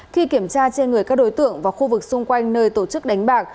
khi kiểm tra trên người các đối tượng và khu vực xung quanh nơi tổ chức đánh bạc